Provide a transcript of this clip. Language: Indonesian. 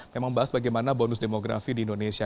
memang bahas bagaimana bonus demografi di indonesia